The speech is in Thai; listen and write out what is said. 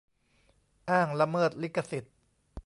อ้างละเมิดลิขสิทธิ์